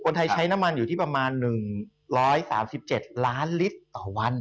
ไทยใช้น้ำมันอยู่ที่ประมาณ๑๓๗ล้านลิตรต่อวัน